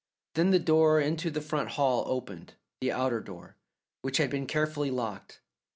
Then the door into the front hall opened the outer door, which had been carefully locked.